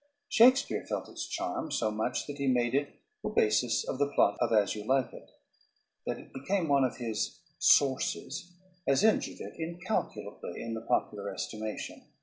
Shakespeare felt its charm so much that he made it the basis of the plot of "As You Like It." That it became one of his "sources" has injured it incalculably in the popular estimation.